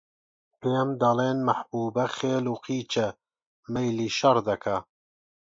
پێم دەڵێن: مەحبووبە خێل و قیچە، مەیلی شەڕ دەکا